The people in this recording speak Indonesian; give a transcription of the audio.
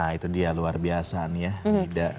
nah itu dia luar biasa nih ya